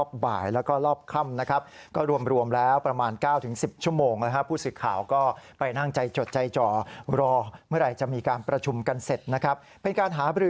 เป็นการหาบริกุณสมบัติ